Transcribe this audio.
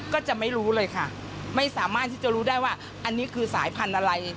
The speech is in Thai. ก็จะไม่รู้เลยค่ะไม่สามารถที่จะรู้ได้ว่าอันนี้คือสายพันธุ์อะไร